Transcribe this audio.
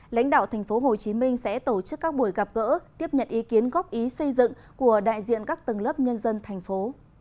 lãnh đạo tp hcm sẽ tổ chức các buổi gặp gỡ tiếp nhận ý kiến góp ý xây dựng của đại diện các tầng lớp nhân dân thành phố